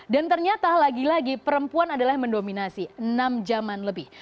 dan ternyata lagi lagi perempuan adalah yang mendominasi enam jaman lebih